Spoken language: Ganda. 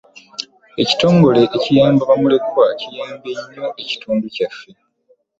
Ekitongole ekiyamba ba mulekwa kiyambye nnyo ekitundu kyaffe.